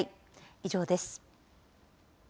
以上です。